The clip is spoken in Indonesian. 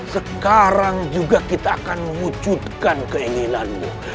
sekarang juga kita akan wujudkan keinginanmu